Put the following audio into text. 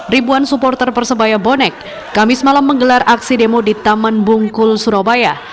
ribuan supporter persebaya bonek kamis malam menggelar aksi demo di taman bungkul surabaya